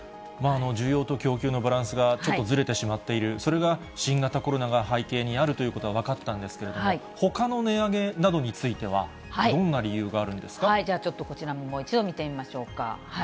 需要と供給のバランスがちょっとずれてしまっている、それが新型コロナが背景にあるということが分かったんですけれども、ほかの値上げなどについては、じゃあちょっと、こちらももう一度見てみましょうか。